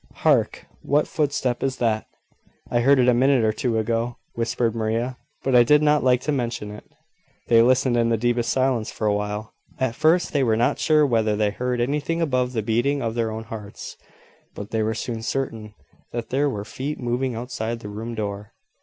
Hark! what footstep is that?" "I heard it a minute or two ago," whispered Maria, "but I did not like to mention it." They listened in the deepest silence for a while. At first they were not sure whether they heard anything above the beating of their own hearts; but they were soon certain that there were feet moving outside the room door.